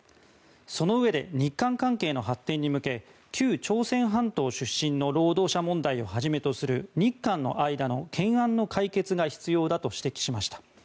そのうえで日韓関係の発展に向け旧朝鮮半島出身の労働者問題をはじめとする日韓の間の懸案の解決が必要だと指摘しました。